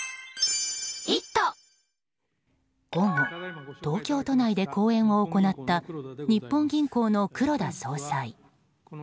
午後、東京都内で講演を行った日本銀行の黒田総裁。